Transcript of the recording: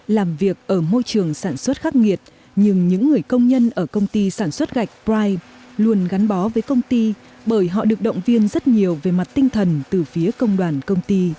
làm việc ở môi trường sản xuất khắc nghiệt nhưng những người công nhân ở công ty sản xuất gạch pride luôn gắn bó với công ty bởi họ được động viên rất nhiều về mặt tinh thần từ phía công đoàn công ty